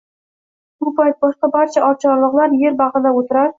bu payt boshqa barcha oqcharloqlar yer bag‘irlab o‘tirar